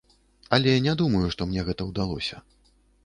Але не думаю, што мне гэта ўдалося.